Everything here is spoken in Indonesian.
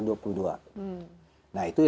nah itu dari sisi